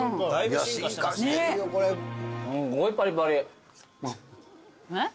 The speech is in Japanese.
すごいパリパリ。